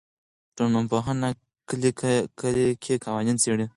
ټولنپوهنه کلي قوانین څېړي.